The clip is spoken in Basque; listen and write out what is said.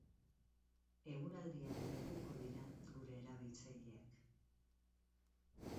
Eguraldiaren lekuko dira gure erabiltzaileak.